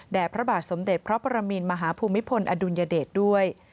พระบาทสมเด็จพระปรมินมหาภูมิพลอดุลยเดชด้วย